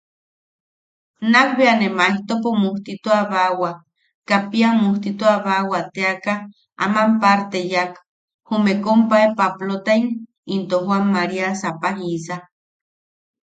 Nakbea ne Maejto mujtituabawa, Kapia mujtituabawa teaka aman parte yaak, jume kompae Paplotaim into Joan Maria Sapajisa.